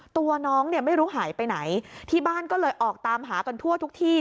ตัวน้องเนี่ยไม่รู้หายไปไหนที่บ้านก็เลยออกตามหากันทั่วทุกที่